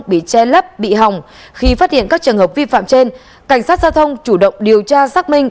bị che lấp bị hỏng khi phát hiện các trường hợp vi phạm trên cảnh sát giao thông chủ động điều tra xác minh